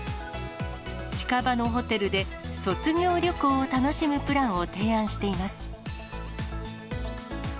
近場のホテルで、卒業旅行を楽しむプランを提案しています。